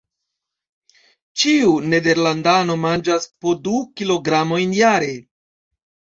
Ĉiu nederlandano manĝas po du kilogramojn jare.